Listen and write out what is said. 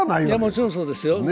もちろんそうですよ。